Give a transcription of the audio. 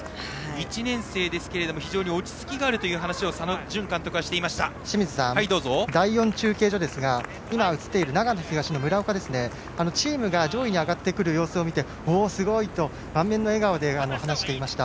１年生ですが、非常に落ち着きがあるという話を清水さん、第４中継所ですが長野東の村岡、チームが上位に上がってくる様子を見ておお、すごい！と満面の笑顔で話していました。